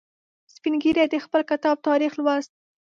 سپین ږیری د خپل کتاب تاریخ لوست.